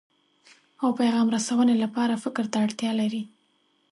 او پیغام رسونې لپاره فکر ته اړتیا لري.